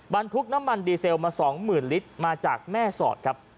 บรรทุกน้ำมันดีเซลมา๒๐๐๐ลิตรมาจากแม่สอดครับ